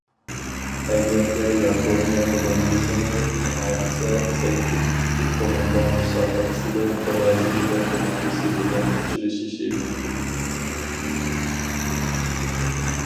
ئەگەردە ياپونىيە كوماندىسىنى يېڭەلىسە، سەككىز كۈچلۈك كوماندا مۇسابىقىسىدە، بىرازىلىيە كوماندىسى بىلەن ئۇچرىشىشى مۇمكىن.